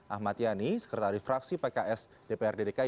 ahmad yani sekretaris fraksi pks dprd dki